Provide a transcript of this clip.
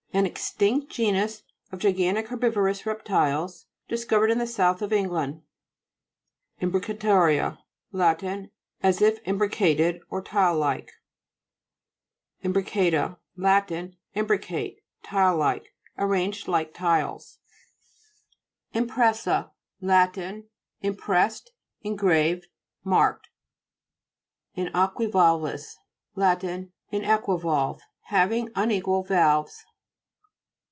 An extinct genus of gigantic herbivorous reptiles, dis covered in the south of England. IMBRICATA'RIA Lat. As if imbri cated, or tile like. IMBRICA'TA Lat. Imbricate, tile like. Arranged like tiles. S24 GLOSSARY. GEOLOGY. IMPRE'SSA Lat. Impressed, engrav en, marked. INJEO.UIYA'LVIS Lat. Inequivalve. Having unequal valves.